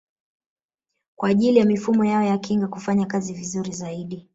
Kwa ajili ya mifumo yao ya kinga kufanya kazi vizuri zaidi